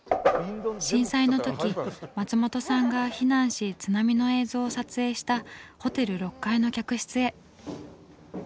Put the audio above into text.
震災の時松本さんが避難し津波の映像を撮影したホテル６階の客室へ。